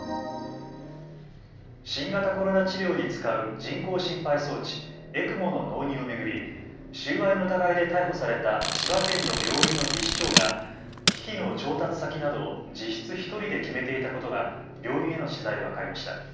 新型コロナ治療に使う人工心肺装置、ＥＣＭＯの納入を巡り、収賄の疑いで逮捕された千葉県の病院の技士長が機器の調達先などを実質１人で決めていたことが病院への取材で分かりました。